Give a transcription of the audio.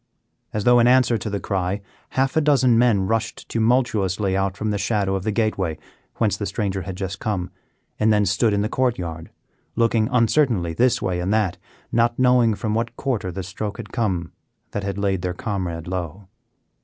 As though in answer to the cry, half a dozen men rushed tumultuously out from the shadow of the gateway whence the stranger had just come, and then stood in the court yard, looking uncertainly this way and that, not knowing from what quarter the stroke had come that had laid their comrade low.